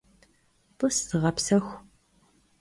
T'ıs, zığepsexu.